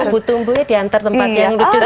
bu tunggu diantar tempat yang lucu lucu